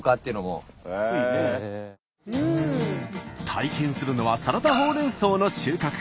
体験するのはサラダほうれんそうの収穫。